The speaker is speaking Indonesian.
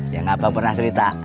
yang abah pernah cerita